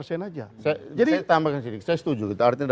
saya jadi tambahkan sedikit saya setuju